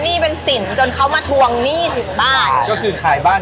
หนี้เป็นสินจนเขามาทวงหนี้ถึงบ้านก็คือขายบ้าน